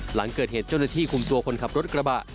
หลังเกิดเหตุเจ้าหน้าที่คุมตัวคนขับรถกระบะ